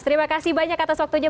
terima kasih banyak atas waktunya